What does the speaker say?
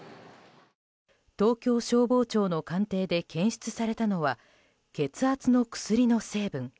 東京消防庁の鑑定で検出されたのは血圧の薬の成分。